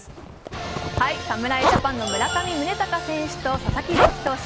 侍ジャパンの村上宗隆選手と佐々木朗希投手。